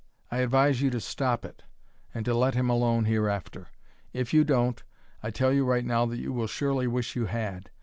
I advise you to stop it and to let him alone hereafter. If you don't, I tell you right now that you will surely wish you had.